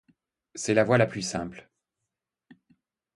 C'est la voie la plus simple.